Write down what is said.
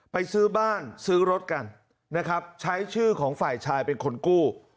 ซื้อบ้านซื้อรถกันนะครับใช้ชื่อของฝ่ายชายเป็นคนกู้